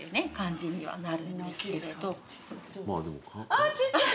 あちっちゃい！